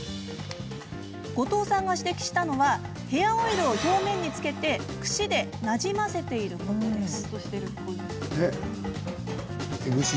後藤さんが指摘したのはヘアオイルを表面につけてクシでなじませていることです。